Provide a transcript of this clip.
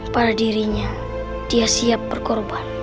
pada dirinya dia siap berkorban